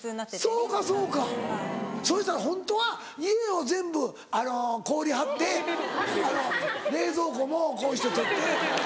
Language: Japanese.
そうかそうかそしたらホントは家を全部氷張って冷蔵庫もこうして取って。